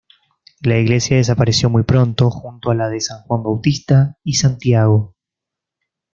La iglesia desapareció muy pronto, junto a la de San Juan Bautista y Santiago.